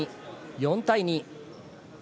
４対２。